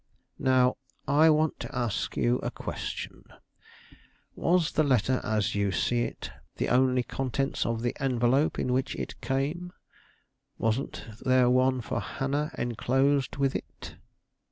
"Now I want to ask you a question. Was the letter, as you see it, the only contents of the envelope in which it came? Wasn't there one for Hannah enclosed with it?"